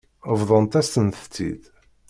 Bḍant-asent-tt-id.